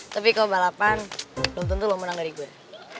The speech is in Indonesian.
tapi kalo balapan lo tentu menang dari gue